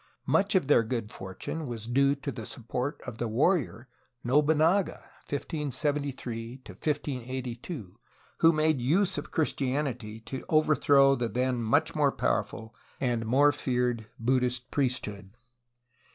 Much of their good fortune was due to the support of the warrior Nobunaga (1573 1582), who made use of Christianity to overthrow the then much more powerful and more feared Buddhist priesthood.